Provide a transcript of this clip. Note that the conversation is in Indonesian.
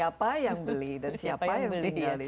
siapa yang beli dan siapa yang tinggal di sini